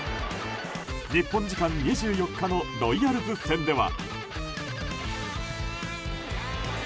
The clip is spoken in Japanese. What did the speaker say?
日本時間２４日のロイヤルズ戦では。